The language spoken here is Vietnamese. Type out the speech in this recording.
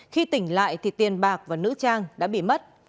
khi tỉnh lại thì tiền bạc và nữ trang đã bị mất